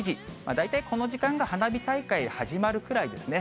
大体この時間が花火大会始まるくらいですね。